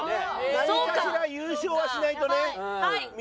何かしら優勝はしないとねみ